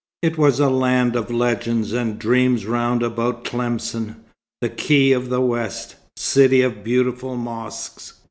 It was a land of legends and dreams round about Tlemcen, the "Key of the West," city of beautiful mosques.